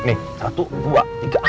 nih satu dua tiga